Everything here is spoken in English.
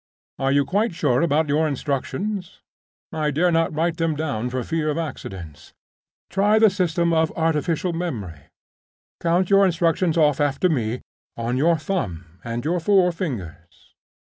Are you quite sure about your instructions? I dare not write them down for fear of accidents. Try the system of artificial memory; count your instructions off after me, on your thumb and your four fingers.